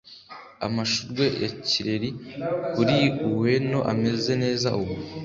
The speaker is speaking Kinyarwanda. amashurwe ya kireri kuri ueno ameze neza ubu